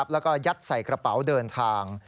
แล้วก็ยัดใส่กระเป๋าเดินทาง